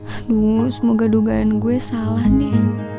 aduh semoga dugaan gue salah nih